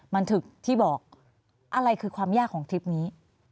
บันทึกที่บอกอะไรคือความยากของทริปนี้